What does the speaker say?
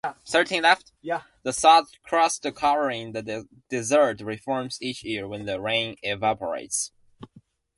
The salt crust covering the desert reforms each year when the rain evaporates.